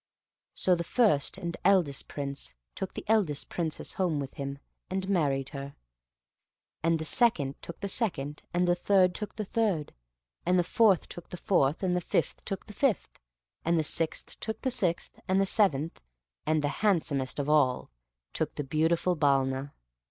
So the first and eldest Prince took the eldest Princess home with him, and married her. And the second took the second; and third took the third; and the fourth took the fourth; and the fifth took the fifth; and the sixth took the sixth; and the seventh, and the handsomest of all, took the beautiful Balna.